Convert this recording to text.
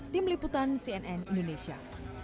tim liputan cnn indonesia